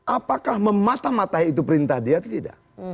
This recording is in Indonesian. apakah memata matai itu perintah dia atau tidak